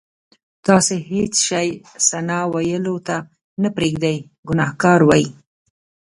تاسې هېڅ شی ثنا ویلو ته نه پرېږدئ ګناهګار وئ.